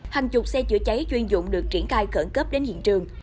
hàng chục xe chữa cháy chuyên dụng được triển khai khẩn cấp đến hiện trường